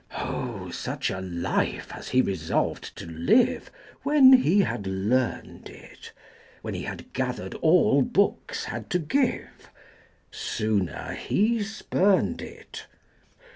Oh, such a life as he resolved to live, 65 When he had learned it, When he had gathered all books had to give! Sooner, he spurned it.